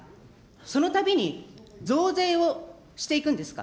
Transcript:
そのたびに増税をしていくんですか。